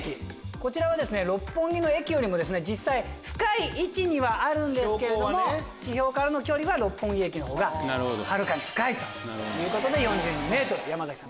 こちらは六本木駅よりも深い位置にはあるんですけども地表からの距離は六本木駅がはるかに深いということで４２ｍ山崎さん